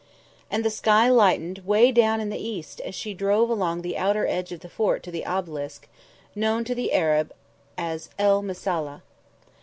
And the sky lightened way down in the east as she drove along the outer edge of the fort to the Obelisk, known to the Arab as el Misalla.